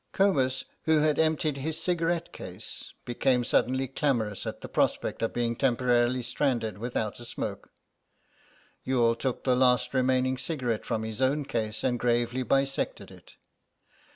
Comus, who had emptied his cigarette case, became suddenly clamorous at the prospect of being temporarily stranded without a smoke. Youghal took the last remaining cigarette from his own case and gravely bisected it.